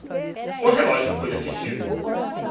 O relógio foi assistido.